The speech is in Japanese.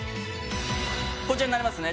こちらになりますね